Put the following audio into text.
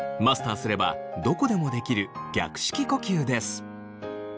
マスターすればどこでもできる逆式呼吸です。